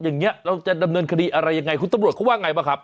อย่างนี้เราจะดำเนินคดีอะไรยังไงคุณตำรวจเขาว่าไงบ้างครับ